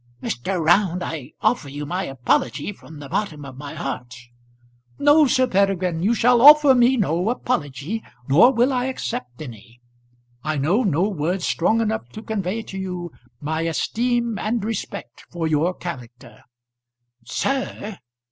"Mr. Round, I offer you my apology from the bottom of my heart." "No, Sir Peregrine. You shall offer me no apology, nor will I accept any. I know no words strong enough to convey to you my esteem and respect for your character." "Sir!"